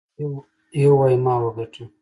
يو وايي ما وګاټه.